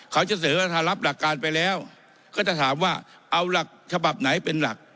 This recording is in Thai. เขาจะเสนอว่าถ้ารับหลักการไปแล้วก็จะถามว่าเอาหลักฉบับไหนเป็นหลัก